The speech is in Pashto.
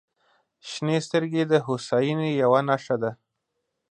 • شنې سترګې د هوساینې یوه نښه ده.